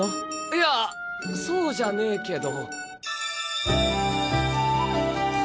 いやそうじゃねえけど。